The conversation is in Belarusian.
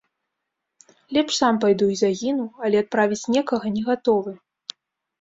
Лепш сам пайду і загіну, але адправіць некага не гатовы.